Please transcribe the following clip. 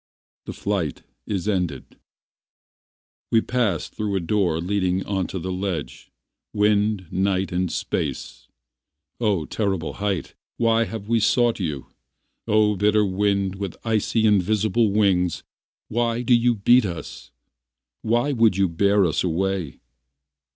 The flight is ended. We pass thru a door leading onto the ledge Wind, night and space Oh terrible height Why have we sought you? Oh bitter wind with icy invisible wings Why do you beat us? Why would you bear us away?